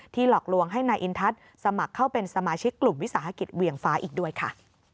หลอกลวงให้นายอินทัศน์สมัครเข้าเป็นสมาชิกกลุ่มวิสาหกิจเวียงฟ้าอีกด้วยค่ะ